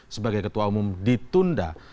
sebagai ketua umum ditunda